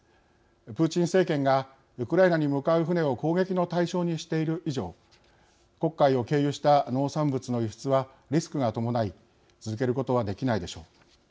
プーチン政権がウクライナに向かう船を攻撃の対象にしている以上黒海を経由した農産物の輸出はリスクが伴い続けることはできないでしょう。